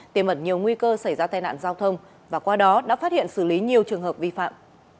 tiềm ẩn nhiều nguy cơ xảy ra tai nạn giao thông và qua đó đã phát hiện xử lý nhiều trường hợp vi phạm